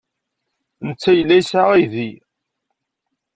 Netta yella yesɛa aydi.